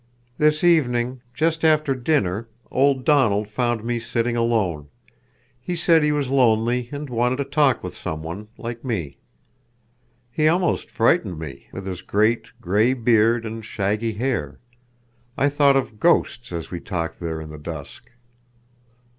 "This evening, just after dinner, old Donald found me sitting alone. He said he was lonely and wanted to talk with someone—like me. He almost frightened me, with his great, gray beard and shaggy hair. I thought of ghosts as we talked there in the dusk."